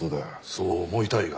そう思いたいが。